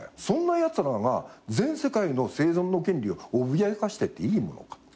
そんなやつらが全世界の生存の権利を脅かしてていいものか。